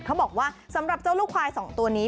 เขาบอกว่าสำหรับเจ้าลูกควาย๒ตัวนี้